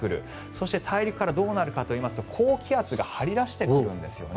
そして大陸からどうなるかというと高気圧が張り出してくるんですよね。